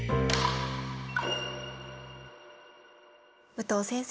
武藤先生